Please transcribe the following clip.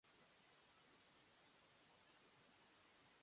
富山県砺波市